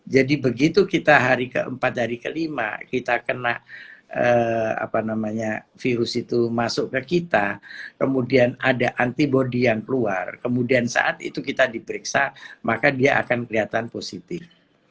jadi begitu kita hari keempat hari kelima kita kena virus itu masuk ke kita kemudian ada antibody an keluar kemudian saat itu kita diperiksa maka dia akan kelihatan positif